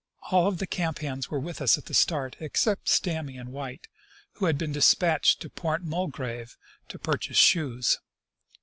All of the camp hands were with us at the start, except Stamy and White, who had been despatched to Port Mulgrave to pur chase shoes.